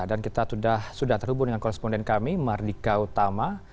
dan kita sudah terhubung dengan korresponden kami mardika utama